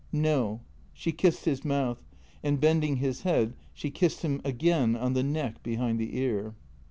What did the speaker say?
" No," she kissed his mouth, and, bending his head, she kissed him again on the neck behind the ear.